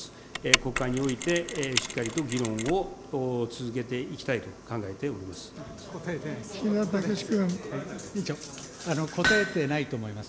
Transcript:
国会においてしっかりと議論を続けていきたいと考えております。